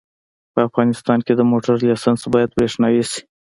په افغانستان کې د موټر لېسنس باید برېښنایي شي